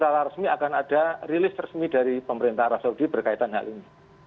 secara resmi akan ada rilis resmi dari pemerintah arab saudi berkaitan hal ini